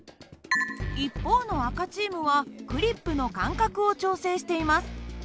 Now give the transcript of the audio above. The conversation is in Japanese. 一方の赤チームはクリップの間隔を調整しています。